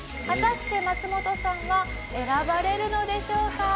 果たしてマツモトさんは選ばれるのでしょうか？